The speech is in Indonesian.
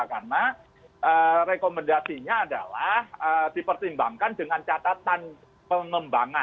karena rekomendasinya adalah dipertimbangkan dengan catatan pengembangan